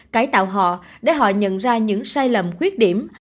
cải tạo họ để họ nhận ra những sai lầm khuyết điểm